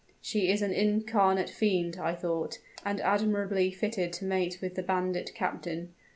'She is an incarnate fiend,' I thought, 'and admirably fitted to mate with the bandit captain.'